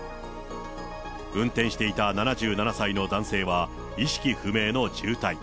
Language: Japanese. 運転していた７７歳の男性は意識不明の重体。